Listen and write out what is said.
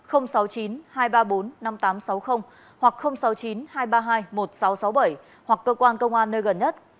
hoặc sáu mươi chín hai trăm ba mươi hai một nghìn sáu trăm sáu mươi bảy hoặc cơ quan công an nơi gần nhất